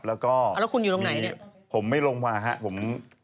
แล้วก็แล้วคุณอยู่ตรงไหนเนี่ยผมไม่ลงมาครับผม